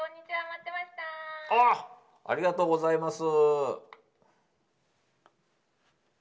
ありがとうございます。